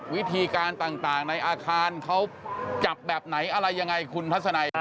วิธีการต่างในอาคารเขาจับแบบไหนอะไรยังไงคุณทัศนัย